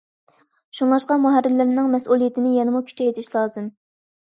شۇڭلاشقا مۇھەررىرلەرنىڭ مەسئۇلىيىتىنى يەنىمۇ كۈچەيتىش لازىم.